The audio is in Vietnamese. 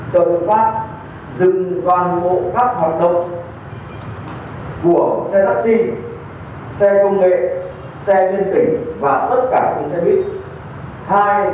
tổng pháp dừng toàn bộ pháp hoạt động của xe đạp xin xe công nghệ xe viên tỉnh và tất cả những xe buýt